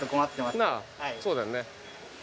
そうだよね